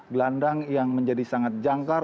gelandang yang menjadi sangat jangkar